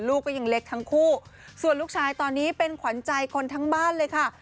ลูกก็ยังเล็กทั้งคู่ส่วนลูกชายตอนนี้เป็นขวัญใจคนทั้งบ้านเลยค่ะ